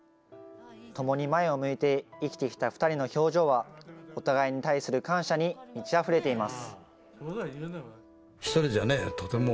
ともに前を向いて生きてきた２人の表情は、お互いに対する感謝に満ちあふれています。